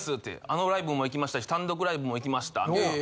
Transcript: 「あのライブも行きましたし単独ライブも行きました」みたいな。